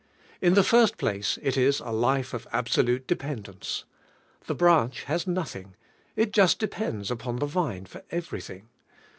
In tho first place it is a life of absolute dependence. The branch has nothing: it just depends upon the vine for every thing.